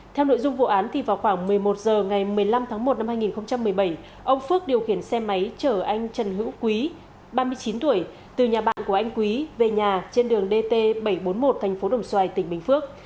theo nội dung vụ án thì vào khoảng một mươi một h ngày một mươi năm tháng một năm hai nghìn một mươi bảy ông phước điều khiển xe máy chở anh trần hữu quý ba mươi chín tuổi từ nhà bạn của anh quý về nhà trên đường dt bảy trăm bốn mươi một tp đồng xoài tỉnh bình phước